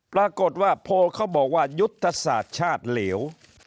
ปรากฏว่าโพลเขาบอกว่ายุทธศาสตร์ชาติเหลว